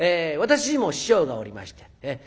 私にも師匠がおりまして。